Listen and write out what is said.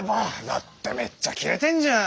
だってめっちゃキレてんじゃん！